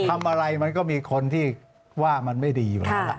ทำอะไรมันก็มีคนที่ว่ามันไม่ดีอยู่แล้วล่ะ